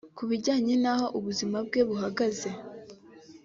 ku bijyanye n’aho ubuzima bwe buhagaze